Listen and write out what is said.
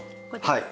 はい。